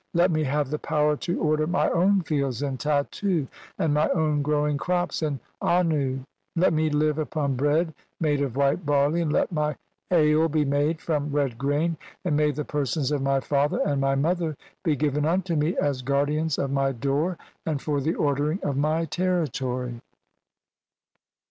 Let me ' 'have the power to order my own fields in Tattu ' 'and my own growing crops in Annu. Let me live ' 'upon bread made of white barley, and let my ale ' 'be [made] from red grain, and may the persons of ' 'rav father and mv mother be given unto me as ' 'guardians of my door and for the ordering of my ' 'territory.'